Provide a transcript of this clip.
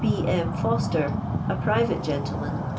1*. M. F(ir.<.ter. a private gentl man.